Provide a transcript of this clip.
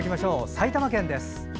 埼玉県です。